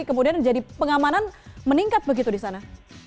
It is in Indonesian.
kemudian jadi pengamanan meningkat begitu di sana